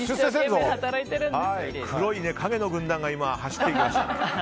黒い陰の軍団が走っていきました。